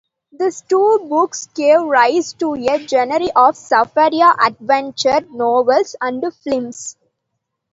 These two books gave rise to a genre of Safari adventure novels and films.